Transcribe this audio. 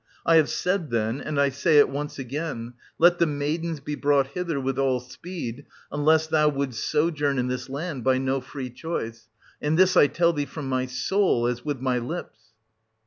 I have said, then, and I say it once again — let the maidens be brought hither with all speed, unless thou wouldst sojourn in this land by no free choice; — and this I tell thee from my soul, as with my lips.